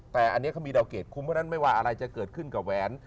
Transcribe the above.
แต่อันนี้เขามีดาวเกรดคุ้มเพราะฉะนั้นไม่ว่าอะไรจะเกิดขึ้นกับแหวน